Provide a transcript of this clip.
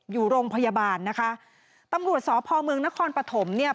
อยู่โรงพยาบาลนะคะตำรวจสพเมืองนครปฐมเนี่ย